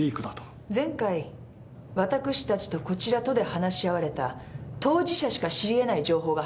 前回私たちとこちらとで話し合われた当事者しか知りえない情報が入っています。